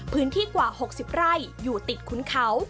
พื้นที่กว่า๖๐ไร่อยู่ติดคุณเขา